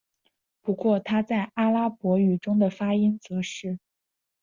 不过它在阿拉伯语中的发音则是。